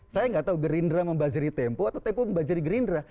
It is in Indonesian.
saya nggak tahu gerindra membazeri tempo atau tempo membajari gerindra